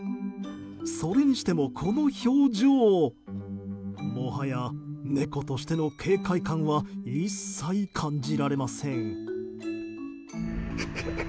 それにしても、この表情もはや猫としての警戒感は一切感じられません。